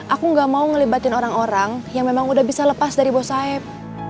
aku gak mau ngelibatin orang orang yang memang udah bisa lepas dari bos saib